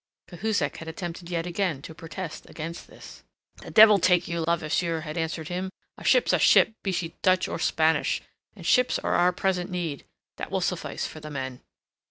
Cahusac had attempted yet again to protest against this. "The devil take you!" Levasseur had answered him. "A ship's a ship, be she Dutch or Spanish, and ships are our present need. That will suffice for the men."